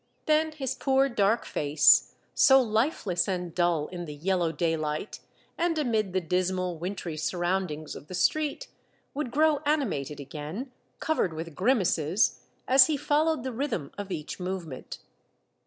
Then his poor dark face, so hfeless and dull in the yellow daylight and amid the dismal wintry sur roundings of the street, would grow animated again, covered with grimaces, as he followed the rhythm of each movement.